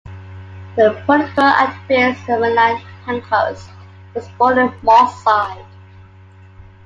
The political activist Emmeline Pankhurst was born in Moss Side.